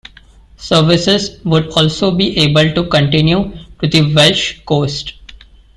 Services would also be able to continue to the Welsh coast.